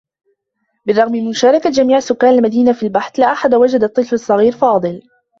بالرّغم من مشاركة جميع سكّان المدينة في البحث، لا أحد وجد الطّفل الصّغير فاضل.